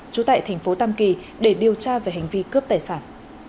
trú tại thành phố tam kỳ để điều tra về hành vi cướp tài sản